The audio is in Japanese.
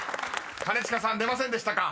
［兼近さん出ませんでしたか？］